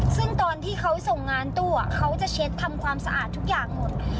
ซึ่งตอนที่เขาส่งงานตู้เขาจะเช็ดทำความสะอาดทุกอย่างหมด